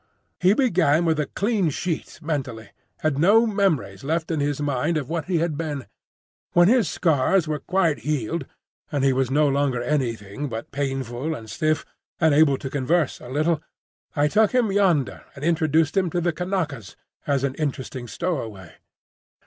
He began with a clean sheet, mentally; had no memories left in his mind of what he had been. When his scars were quite healed, and he was no longer anything but painful and stiff, and able to converse a little, I took him yonder and introduced him to the Kanakas as an interesting stowaway.